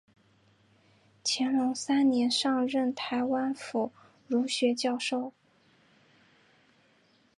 乾隆三年上任台湾府儒学教授。